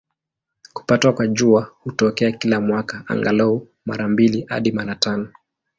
Kupatwa kwa Jua hutokea kila mwaka, angalau mara mbili hadi mara tano.